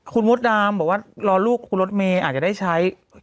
คุณมดดำบอกว่ารอลูกคุณรถเมย์อาจจะได้ใช้